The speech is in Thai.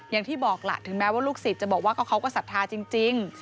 อย่างที่บอกล่ะถึงแม้ว่าลูกศิษย์จะบอกว่าเขาก็ศรัทธาจริง